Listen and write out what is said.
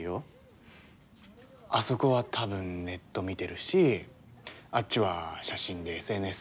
あそこは多分ネット見てるしあっちは写真でＳＮＳ。